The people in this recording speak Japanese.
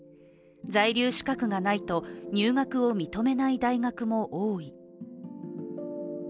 在留資格がないと入学を認めない大学も多い。